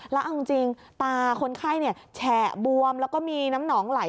แล้วเอาจริงตาคนไข้แฉะบวมแล้วก็มีน้ำหนองไหล